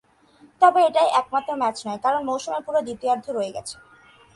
তবে এটাই একমাত্র ম্যাচ নয়, কারণ মৌসুমের পুরো দ্বিতীয়ার্ধ রয়ে গেছে।